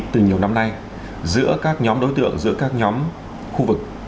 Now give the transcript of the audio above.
từ nhiều năm nay giữa các nhóm đối tượng giữa các nhóm khu vực